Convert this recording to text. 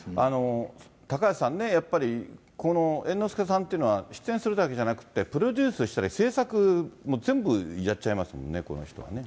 高橋さんね、やっぱり、この猿之助さんってのは出演するだけじゃなくて、プロデュースしたり制作も全部やっちゃいますもんね、この人はね。